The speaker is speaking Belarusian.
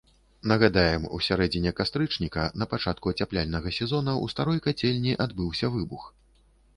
Нагадаем, у сярэдзіне кастрычніка на пачатку ацяпляльнага сезона ў старой кацельні адбыўся выбух.